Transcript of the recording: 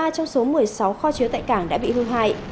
một mươi ba trong số một mươi sáu kho chiếu tại cảng đã bị hưu hại